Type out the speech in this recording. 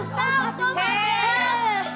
sampai sama pak